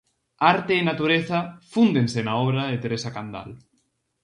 Arte e natureza fúndense na obra de Teresa Candal.